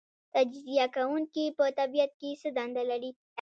تجزیه کوونکي په طبیعت کې څه دنده لري